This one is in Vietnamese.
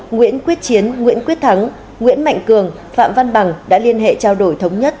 nguyễn quyết chiến nguyễn quyết thắng nguyễn mạnh cường phạm văn bằng đã liên hệ trao đổi thống nhất